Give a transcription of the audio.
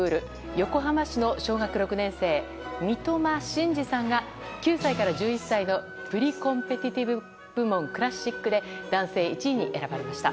横浜市の小学６年生三苫心嗣さんが９歳から１１歳のプリコンペティティブ部門クラシックで男性１位に選ばれました。